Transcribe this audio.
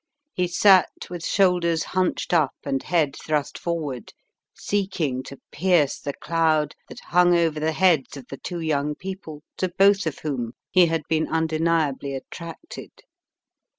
He sat with shoulders hunched up and head thrust forward, seeking to pierce the cloud that hung over the heads of the two young people to both of whom he had been undeniably attracted.